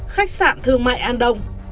khách sạn thương mại an đông